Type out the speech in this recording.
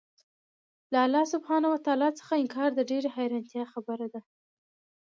له الله سبحانه وتعالی څخه انكار د ډېري حيرانتيا خبره ده